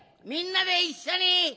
みんなでいっしょに。